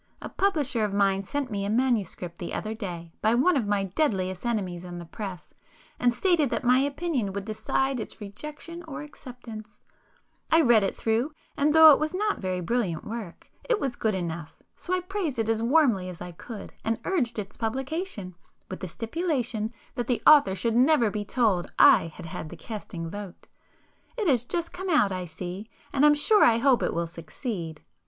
A publisher of mine sent me an MS. the other day by one of my deadliest enemies on the press, and stated that my opinion would decide its rejection or acceptance,—I read it through, and though it was not very brilliant work, it was good enough, so I praised it as warmly as I could, and urged its publication, with the stipulation that the author should never be told I had had the casting vote. It has just come out I see,—and I'm sure I hope it will succeed."